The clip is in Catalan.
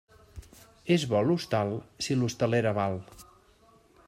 És bo l'hostal si l'hostalera val.